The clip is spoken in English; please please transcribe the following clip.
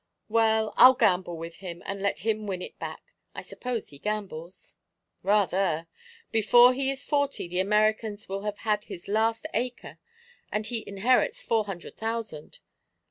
"Well, I'll gamble with him, and let him win it back. I suppose he gambles." "Rather. Before he is forty the Americans will have had his last acre, and he inherits four hundred thousand.